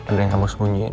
ada yang kamu sembunyiin